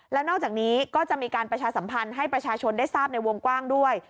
แล้วนอกจากนี้ก็จะมีการประชาสัมพันธ์ให้ประชาชนได้ทราบในวงกว้างด้วย